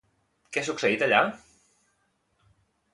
Què ha succeït allà?